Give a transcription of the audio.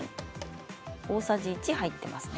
大さじ１入っていますね。